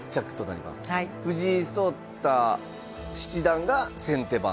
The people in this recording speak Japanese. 藤井聡太七段が先手番。